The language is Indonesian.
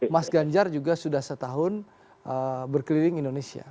mas ganjar juga sudah setahun berkeliling indonesia